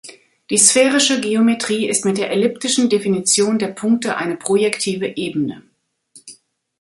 Die sphärische Geometrie ist mit der elliptischen Definition der Punkte eine projektive Ebene.